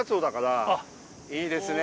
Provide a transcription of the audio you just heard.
いいですね。